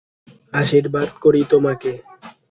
আশীর্বাদ করি তোমাকে।